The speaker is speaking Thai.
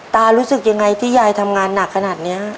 รู้สึกยังไงที่ยายทำงานหนักขนาดนี้